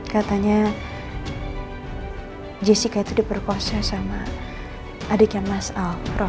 katanya jessica itu diperkosa sama adiknya mas al